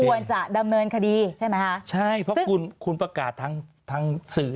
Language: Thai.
ควรจะดำเนินคดีใช่ไหมคะใช่เพราะคุณคุณประกาศทางทางสื่อ